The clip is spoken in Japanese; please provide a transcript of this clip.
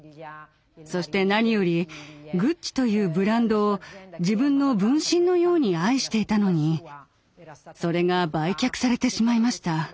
そして何よりグッチというブランドを自分の分身のように愛していたのにそれが売却されてしまいました。